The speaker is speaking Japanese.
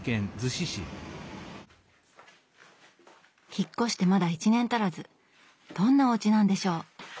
引っ越してまだ１年足らずどんなおうちなんでしょう。